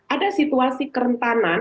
ada situasi kerentanan